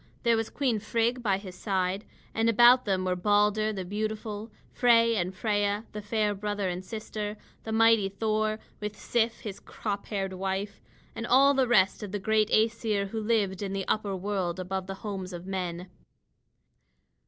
There was Queen Frigg by his side; and about them were Balder the beautiful, Frey and Freia, the fair brother and sister; the mighty Thor, with Sif, his crop haired wife, and all the rest of the great Æsir who lived in the upper world above the homes of men.